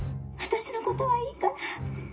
「私のことはいいから。